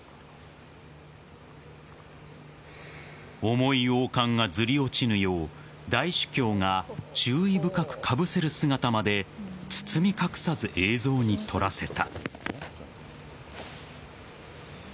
重い王冠が、ずり落ちぬよう大司教が注意深くかぶせる姿まで包み隠さず映像に撮らせた。